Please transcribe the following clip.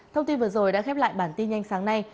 thông tin vừa rồi đã khép lại bản tin nhanh sáng nay